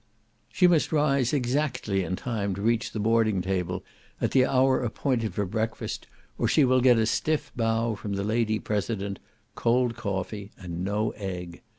She must rise exactly in time to reach the boarding table at the hour appointed for breakfast, or she will get a stiff bow from the lady president, cold coffee, and no egg.